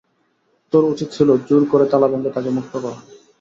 তোর উচিত ছিল জোর করে তালা ভেঙে তাকে মুক্ত করা।